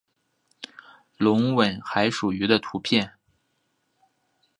隆吻海蠋鱼的图片